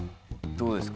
どうですか？